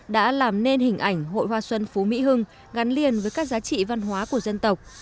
đã làm nên hình ảnh hội hoa xuân phú mỹ hưng gắn liền với các giá trị văn hóa của dân tộc